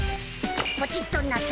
ポチッとなと。